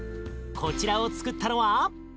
こちらをつくったのは？